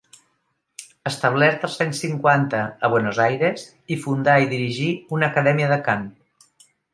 Establert els anys cinquanta a Buenos Aires, hi fundà i dirigí una acadèmia de cant.